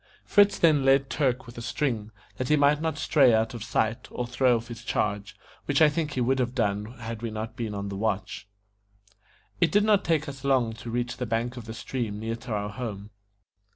Fritz then led Turk with a string, that he might not stray out of sight, or throw off his charge, which I think he would have done had we not been on the watch. It did not take us long to reach the bank of the stream near to our home.